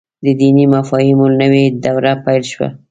د دیني مفاهیمو نوې دوره پيل شوه.